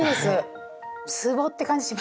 つぼって感じしますね。